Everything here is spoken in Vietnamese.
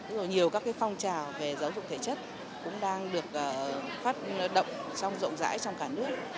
tức là nhiều các cái phong trào về giáo dục thể chất cũng đang được phát động trong rộng rãi trong cả nước